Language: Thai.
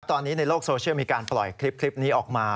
ตอนนี้ในโลกโซเชียลมีการปล่อยคลิปนี้ออกมา